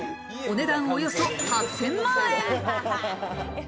お値段およそ８０００万円。